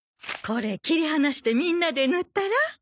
これ切り離してみんなで塗ったら？